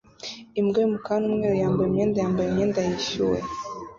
Imbwa y'umukara n'umweru yambaye imyenda yambaye imyenda yishyuwe